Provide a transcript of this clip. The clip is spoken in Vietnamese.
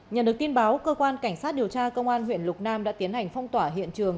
nhận được tin báo cơ quan cảnh sát điều tra công an huyện lục nam đã tiến hành phong tỏa hiện trường